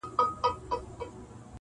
زه لکه نغمه درسره ورک سمه-